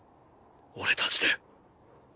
俺たちで。